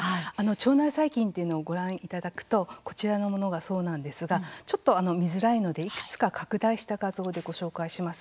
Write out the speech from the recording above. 腸内細菌というのをご覧いただくと、こちらのものがそうなんですがちょっと見づらいので、いくつか拡大した画像でご紹介します。